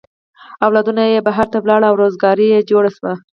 اولادونه یې بهر ته ولاړل او روزگار یې جوړ شو.